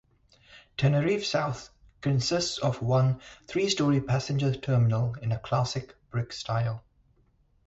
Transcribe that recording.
Tenerife South consists of one three-storey passenger terminal in a classic brick style.